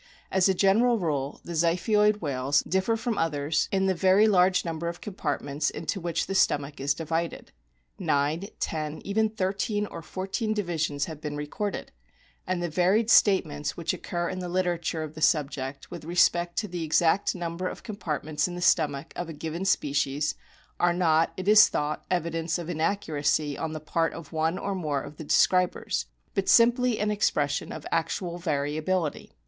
As a general rule the Ziphioid whales differ from others in the very large number of compartments into which the stomach is divided. Nine, ten, even thirteen or fourteen divisions have been recorded ; and the varied statements which occur in the literature of the subject with respect to the exact number of com partments in the stomach of a given species are not, it is thought, evidence of inaccuracy on the part of one or more of the describers, but simply an expression of actual variability.